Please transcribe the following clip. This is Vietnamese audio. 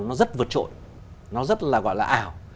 nó rất vượt trội nó rất là gọi là ảo